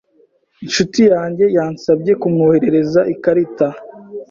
Inshuti yanjye yansabye kumwoherereza ikarita.